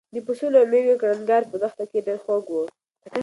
د پسونو او مېږو کړنګار په دښته کې ډېر خوږ و.